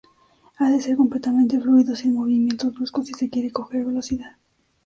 Ha de ser completamente fluido, sin movimientos bruscos si se quiere coger velocidad.